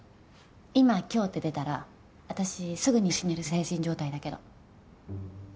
今「凶」って出たら私すぐに死ねる精神状態だけど。